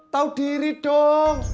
tahu diri dong